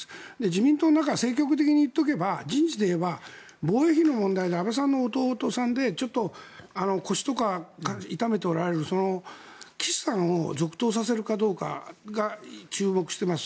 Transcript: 自民党の中政局的に言っておけば人事でいえば、防衛費の問題で安倍さんの弟さんでちょっと腰とか痛めておられる岸さんを続投させるかどうかが注目しています。